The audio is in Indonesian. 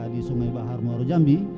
di sumai bahar moro jambi